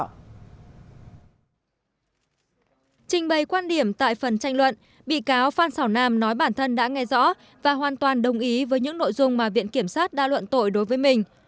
trình bày quan điểm tại phần tranh luận bị cáo phan xào nam nói bản thân đã nghe rõ và hoàn toàn đồng ý với những nội dung mà viện kiểm sát đã luận tội đối với mình